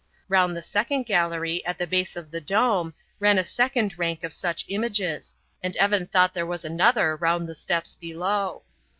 Round the second gallery, at the base of the dome, ran a second rank of such images, and Evan thought there was another round the steps below.